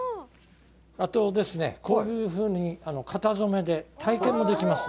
あとこういうふうに型染めで体験もできます。